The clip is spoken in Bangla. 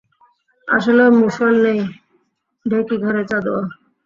আসলে মুষল নেই ঢেঁকি ঘরে চাঁদোয়া।